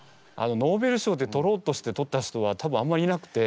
ノーベル賞ってとろうとしてとった人は多分あんまりいなくて。